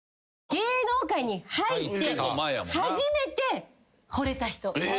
芸能界に入って初めてほれた人。え！？